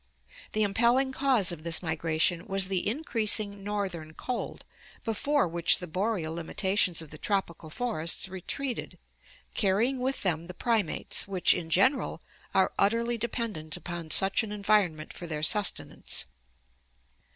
The impelling cause of this migration was the increasing northern cold, before which the boreal limitations of the tropical forests retreated, carrying with them the primates which, in general, are utterly de pendent upon such an environment for their sustenance.